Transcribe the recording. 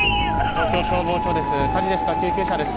東京消防庁です。